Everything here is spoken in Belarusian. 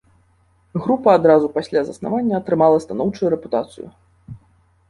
Група адразу пасля заснавання атрымала станоўчую рэпутацыю.